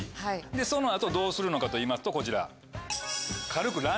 その後どうするのかといいますとこちら。